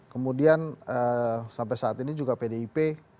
kemudian sampai saat ini juga pdip